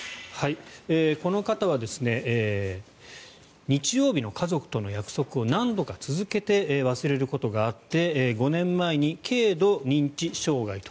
この方は日曜日の家族との約束を何度か続けて忘れることがあって５年前に軽度認知障害と。